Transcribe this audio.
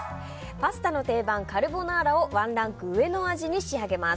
パスタの定番、カルボナーラをワンランク上の味に仕上げます。